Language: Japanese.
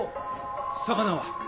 魚は？